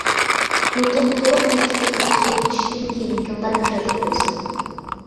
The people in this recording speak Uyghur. نۇتۇق تولۇق تېكىستى كۆپچىلىك چۈشتىن كېيىنلىكىڭلار خەيرلىك بولسۇن.